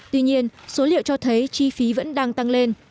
tuy nhiên số liệu cho thấy chi phí vẫn đang tăng lên